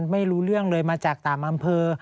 ไม่รู้เรื่องเลยมาจากต่างอำเภอ